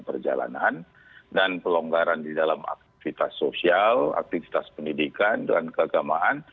perjalanan dan pelonggaran di dalam aktivitas sosial aktivitas pendidikan dan keagamaan